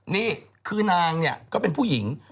นี่คือนางเนี่ยก็เป็นผู้หญิง